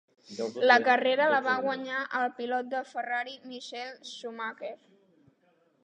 La carrera la va guanyar el pilot de Ferrari Michael Schumacher.